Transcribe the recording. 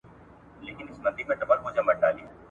شیخه مستي مي له خُماره سره نه جوړیږي `